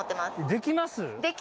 できます。